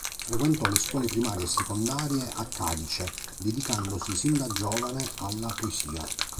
Frequentò le scuole primarie e secondarie a Cadice dedicandosi sin da giovane alla poesia.